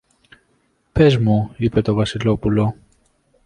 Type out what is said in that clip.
Πες μου, είπε το Βασιλόπουλ